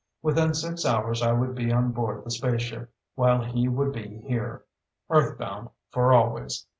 Within six hours I would be on board the spaceship, while he would be here. Earthbound for always.